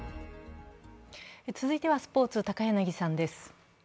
続いてはスポーツ、高柳さんです